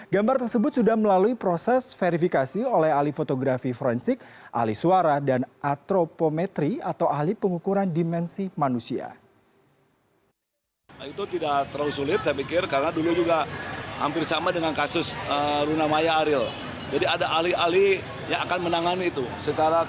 gambar tersebut sudah melalui proses verifikasi oleh ahli fotografi forensik ahli suara dan atropometri atau ahli pengukuran dimensi manusia